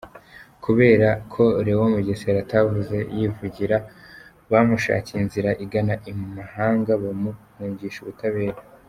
Kubera ko Leon Mugesera atavuze yivugira, bamushakiye inzira igana imahanga bamuhungisha ubutabera.